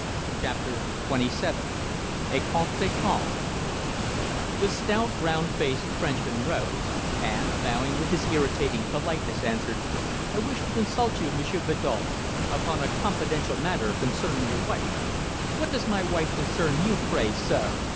CHAPTER TWENTY SEVEN A CONTRETEMPS The stout, round faced Frenchman rose, and, bowing with his irritating politeness, answered "I wish to consult you, Monsieur Biddulph, upon a confidential matter concerning your wife." "What does my wife concern you, pray, sir?"